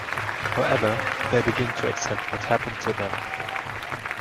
However, they begin to accept what happened to them.